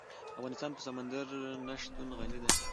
افغانستان په سمندر نه شتون غني دی.